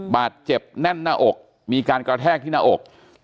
บาดเจ็บแน่นหน้าอกมีการกระแทกที่หน้าอก